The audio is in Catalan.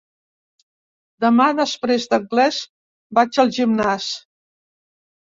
Demà després d'anglès vaig al gimnàs.